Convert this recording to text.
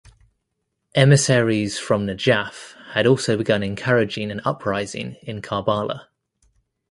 Emissaries from Najaf had also begun encouraging an uprising in Karbala.